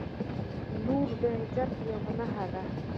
• لور د عزت یوه نښه ده.